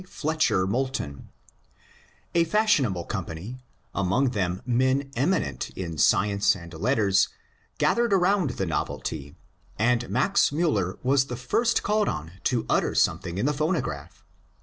Fletcher Moulton Q. C. (now M. P.). A fashionable company, among them men eminent 310 MONCURE DANIEL CONWAY in science and letters, gathered around the novelty, and Max Miiller was the first called on to otter something in the pho nograph.